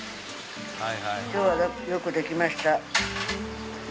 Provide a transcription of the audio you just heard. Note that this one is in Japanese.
今日はよくできました。